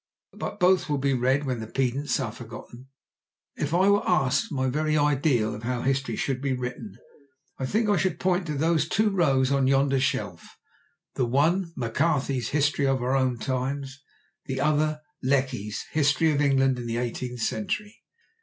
But both will be read when the pedants are forgotten. If I were asked my very ideal of how history should be written, I think I should point to those two rows on yonder shelf, the one M'Carthy's "History of Our Own Times," the other Lecky's "History of England in the Eighteenth Century."